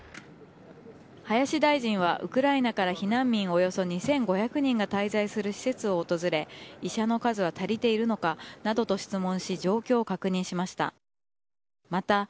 林大臣はウクライナからの避難民のおよそ２５００人が滞在する施設を訪れ医者の数は足りているのかなどと質問し状況を確認しました。